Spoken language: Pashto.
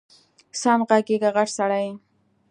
سم غږېږه غټ سړی یې